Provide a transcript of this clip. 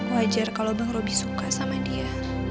wajar kalo bang robi suka sama dia